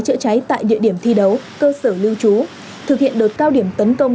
chữa cháy tại địa điểm thi đấu cơ sở lưu trú thực hiện đợt cao điểm tấn công